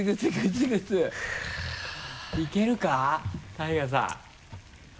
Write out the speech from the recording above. ＴＡＩＧＡさん。